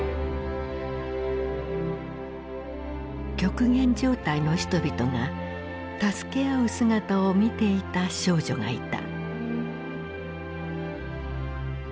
極限状態の人々が助け合う姿を見ていた少女がいた。